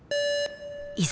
いざ。